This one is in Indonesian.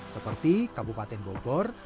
seperti kabupaten bogor